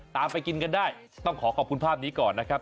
ไปกินกันได้ต้องขอขอบคุณภาพนี้ก่อนนะครับ